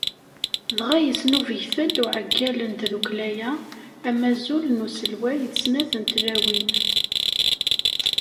Dɣa yesnubget-d uɛeggal n tdukkla-a, anmazul n uselway d snat n tlawin.